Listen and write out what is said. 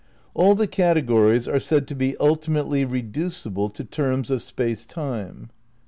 All the categories are said to be ultimately reducible to terms of Space Time.